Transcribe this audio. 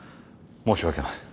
申し訳ない。